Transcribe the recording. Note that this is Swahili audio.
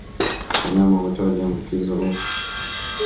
Wanyama wote walioambukizwa hufa